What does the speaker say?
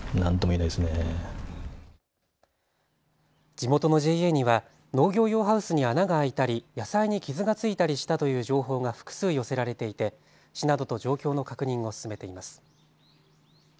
地元のＪＡには農業用ハウスに穴が開いたり野菜に傷がついたりしたという情報が複数寄せられていて市などと状況の確認を進めています。